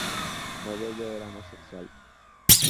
Novello era homosexual.